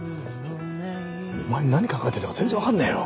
お前何考えてんだか全然わかんねえよ。